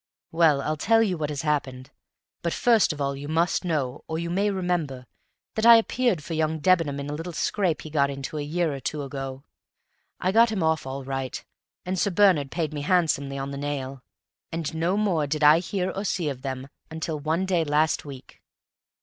Well, I'll tell you what has happened; but first of all you must know, or you may remember, that I appeared for young Debenham in a little scrape he got into a year or two ago. I got him off all right, and Sir Bernard paid me handsomely on the nail. And no more did I hear or see of either of them until one day last week."